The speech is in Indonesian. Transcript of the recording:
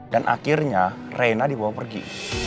dan akhirnya reina dibawa pergi